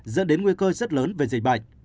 dẫn đến nguy cơ rất lớn về dịch bệnh